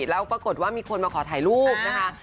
แล้วปรากฏว่ามีคนมาขอถ่ายรูปนะคะ